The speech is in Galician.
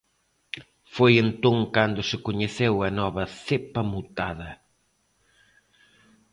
Foi entón cando se coñeceu a nova cepa mutada.